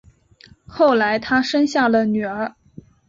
后来他生下了女儿